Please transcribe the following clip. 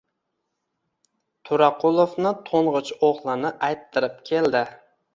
To‘raqulovni to‘ng‘ich o‘g‘lini ayttirib keldi.